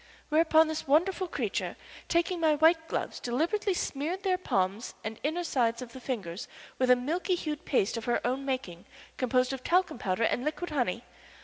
Whereupon this wonderful creature, taking my white gloves, deliberately smeared their palms and inner sides of the fingers with a milk hued paste of her own making, composed of talcum powder and liquid honey.